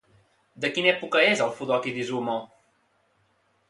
De quina època és el Fudoki d'Izumo?